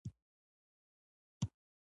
اوس یې زموږ یادونو کې ځای شته.